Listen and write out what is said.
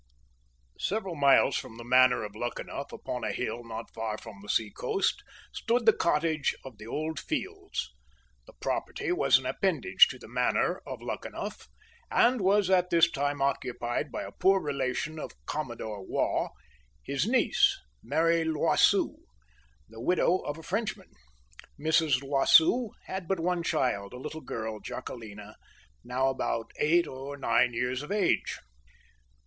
Several miles from the manor of Luckenough, upon a hill not far from the seacoast, stood the cottage of the Old Fields. The property was an appendage to the Manor of Luckenoug , and was at this time occupied by a poor relation of Commodore Waugh, his niece, Mary L'Oiseau, the widow of a Frenchman. Mrs. L'Oiseau had but one child, a little girl, Jacquelina, now about eight or nine years of age.